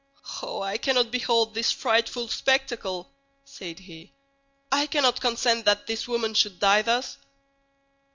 "Oh, I cannot behold this frightful spectacle!" said he. "I cannot consent that this woman should die thus!"